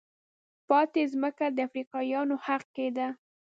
پاتې ځمکه د افریقایانو حق کېده.